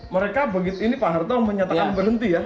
mereka begitu ini pak harto menyatakan berhenti ya